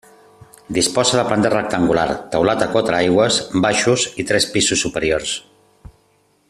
Disposa de planta rectangular, teulat a quatre aigües, baixos i tres pisos superiors.